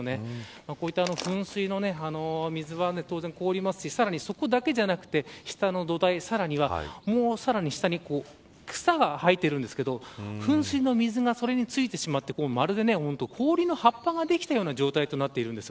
こういった噴水の水は当然凍りますし、そこだけでなく下の土台、さらに、もうさらに下に草が生えているんですが噴水の水がそれに付いてしまってまるで氷の葉っぱができたような状態となっています。